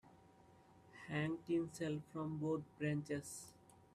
Hang tinsel from both branches.